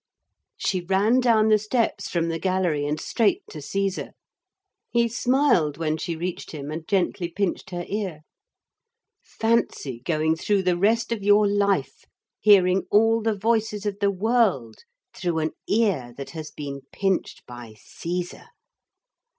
She ran down the steps from the gallery and straight to Caesar. He smiled when she reached him, and gently pinched her ear. Fancy going through the rest of your life hearing all the voices of the world through an ear that has been pinched by Caesar!